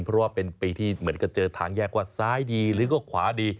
เพราะว่าเป็นปีที่เหมือนกับเจอทางแยกว่าซ้ายดีหรือก็ขวาดี